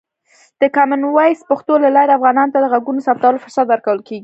د کامن وایس پښتو له لارې، افغانانو ته د غږونو ثبتولو فرصت ورکول کېږي.